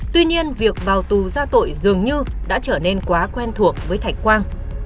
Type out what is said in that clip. tuy nhiên việc vào tù ra tội dường như đã trở nên quá quen thuộc với thạch quang